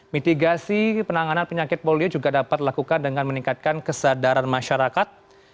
mitigasi penanganan penyakit polio juga dapat dilakukan dengan meningkatkan kesadaran masyarakat